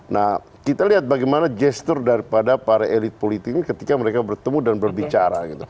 nah kita lihat bagaimana gestur daripada para elit politik ini ketika mereka bertemu dan berbicara gitu